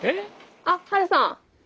あっハルさん！